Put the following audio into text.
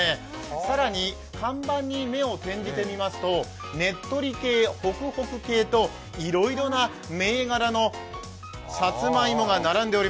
更に、看板に目を転じてみますと、ねっとり系、ほくほく系といろいろな銘柄のさつまいもが並んで雄。